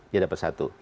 dia dapat satu